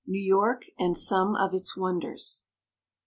NEW YORK AND SOME OF ITS WONDERS.